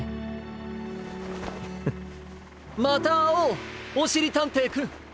フッまたあおうおしりたんていくん。